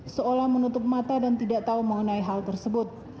seolah menutup mata dan tidak tahu mengenai hal tersebut